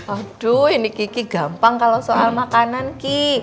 aduh ini kiki gampang kalau soal makanan ki